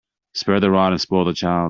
Spare the rod and spoil the child.